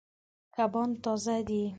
کبان تازه دي.